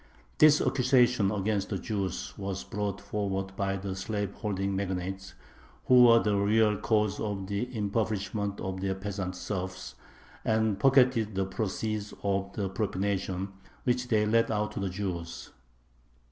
This accusation against the Jews was brought forward by the slaveholding magnates, who were the real cause of the impoverishment of their peasant serfs, and pocketed the proceeds of the "propination" which they let out to the Jews.